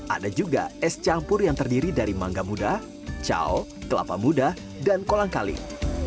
ada juga es campur yang terdiri dari mangga muda chao kelapa muda dan kolang kaling